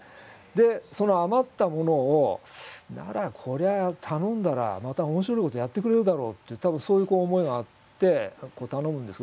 でその余ったものをならこれは頼んだらまた面白いことをやってくれるだろうって多分そういう思いがあって頼むんです。